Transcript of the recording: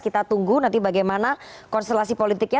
kita tunggu nanti bagaimana konstelasi politiknya